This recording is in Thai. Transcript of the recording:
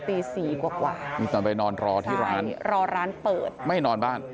ตีสี่กว่านี่ตอนไปนอนรอที่ร้านรอร้านเปิดไม่นอนบ้าน